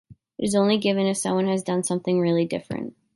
It is only given if someone has done something really different.